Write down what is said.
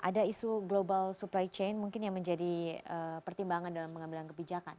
ada isu global supply chain mungkin yang menjadi pertimbangan dalam pengambilan kebijakan